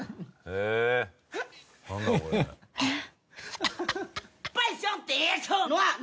えっ？